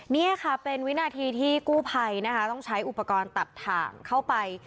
นี่ค่ะเป็นวินาทีที่กู้ภัยนะคะต้องใช้อุปกรณ์ตัดถ่างเข้าไป